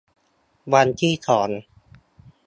วันที่สอง